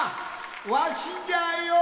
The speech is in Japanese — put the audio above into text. わしじゃよ！